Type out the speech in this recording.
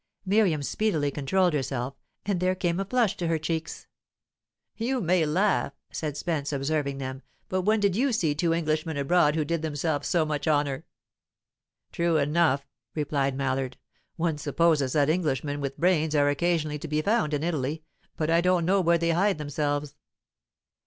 Miriam speedily controlled herself, and there came a flush to her cheeks. "You may laugh," said Spence, observing them, "but when did you see two Englishmen abroad who did themselves so much honour?" "True enough," replied Mallard. "One supposes that Englishmen with brains are occasionally to be found in Italy, but I don't know where they hide themselves."